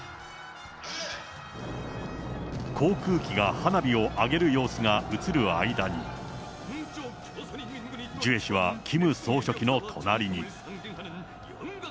航空機が花火を上げる様子が映る間に、ジュエ氏はキム総書記の隣に。